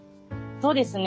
そうですね